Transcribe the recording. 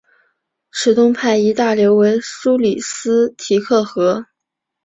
池东派一大流为苏里斯提克河。